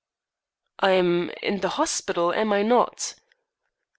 "I'm in the hospital, am I not?"